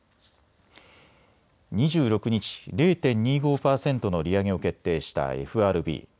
２６日、０．２５％の利上げを決定したＦＲＢ。